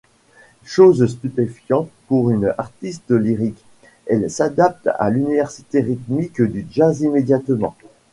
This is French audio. Chose stupéfiante pour une artiste lyrique, elle s'adapte à l'univers rythmique du Jazz immédiatement.